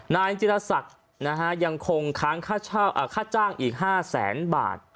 นายจิรศักดิ์ยังคงค้างค่าจ้างอีก๕แสนบาท